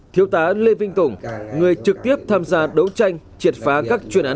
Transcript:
thưa quý vị thưa quý vị thưa quý vị thưa quý vị